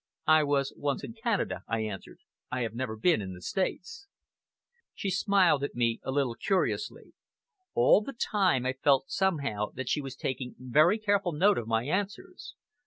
"I was once in Canada," I answered. "I have never been in the States." She smiled at me a little curiously. All the time I felt somehow that she was taking very careful note of my answers.